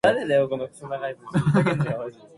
His mortal remains are buried at Susteren Abbey.